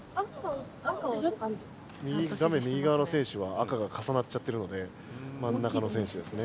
画面右がわの選手は赤が重なっちゃってるので真ん中の選手ですね。